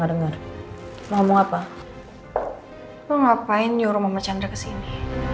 denger ngomong apa ngapain nyuruh mama chandra kesini